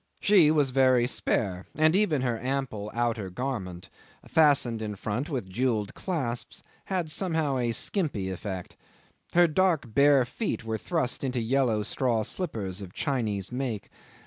She was very spare, and even her ample outer garment, fastened in front with jewelled clasps, had somehow a skimpy effect. Her dark bare feet were thrust into yellow straw slippers of Chinese make.